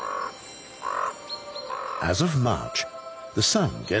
３月。